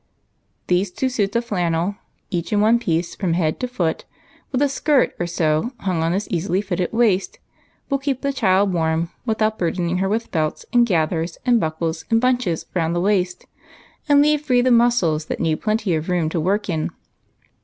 These two suits of flannel, eacli in one piece from head to foot, with a skirt or so hung on this easily fitting waist, will keep the child warm without burdening her with belts, and gathers, and buckles, and bunches round the waist, and leave free the muscles that need plenty of room to work in.